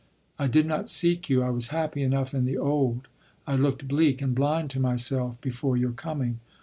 I did not seek you. I was happy enough in the old. I looked bleak and blind to myself before your coming.